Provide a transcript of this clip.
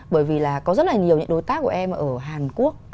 bởi vì là có rất là nhiều những đối tác của em ở hàn quốc